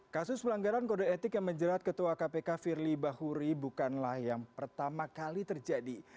kasus pelanggaran kode etik yang menjerat ketua kpk firly bahuri bukanlah yang pertama kali terjadi